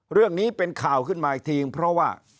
เรื่องนี้เป็นข่าวขึ้นมาอีกทีเพราะว่า